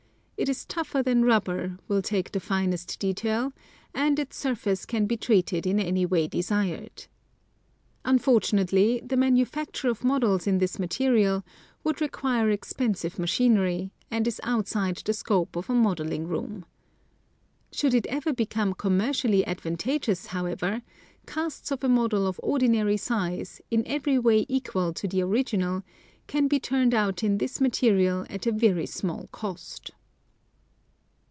It is tougher than rubber, will take the finest detail, and its surface can be treated in any way desired. Unfor tunately the manufacture of models in this material would require expensive machinery, and is outside the scope of a modeling room. Should it ever become commercially advantageous, how ever, casts of a model of ordinary size, in every way equal to the original, can be turned out in this material at a very small cost.